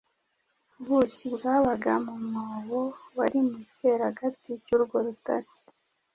ubuki bwabaga mu mwobo wari mu cyeragati cy’urwo rutare,